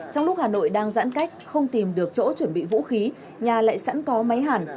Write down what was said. trong lúc hà nội đang giãn cách không tìm được chỗ chuẩn bị vũ khí nhà lại sẵn có máy hẳn